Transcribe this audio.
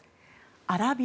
アラビア